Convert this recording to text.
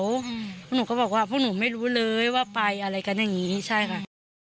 เพราะหนูก็บอกว่าพวกหนูไม่รู้เลยว่าไปอะไรกันอย่างนี้ใช่ค่ะ